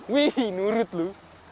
wih nurut lu